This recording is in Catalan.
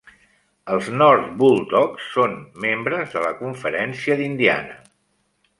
Els North Bull Dogs són membres de la Conferència d'Indiana.